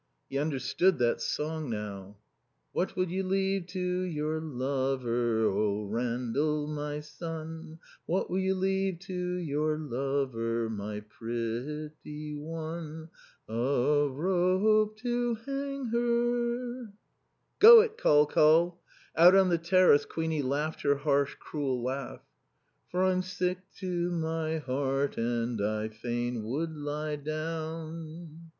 '" He understood that song now. "'What will you leave to your lover, Rendal, my son? What will you leave to your lover, my pretty one? A rope to hang her, mother, A rope to hang her, mother....'" "Go it, Col Col!" Out on the terrace Queenie laughed her harsh, cruel laugh. "'For I'm sick to my heart and I fain would lie down.'"